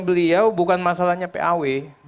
beliau bukan masalahnya paw